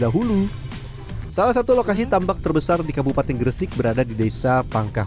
dahulu salah satu lokasi tambak terbesar di kabupaten gresik berada di desa pangkah